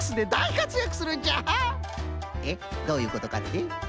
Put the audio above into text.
えっどういうことかって？